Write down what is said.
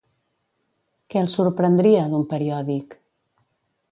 Què el sorprendria, d'un periòdic?